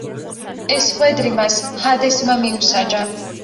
ეს ხვედრი მას ჰადესმა მიუსაჯა.